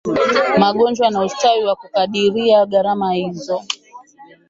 magonjwa na ustawi na kukadiria gharama hizo